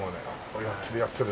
「やってるやってる」